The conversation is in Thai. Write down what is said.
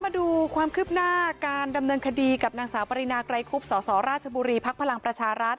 มาดูความคืบหน้าการดำเนินคดีกับนางสาวปริณาไกลคุบสสราชบุรีพพรร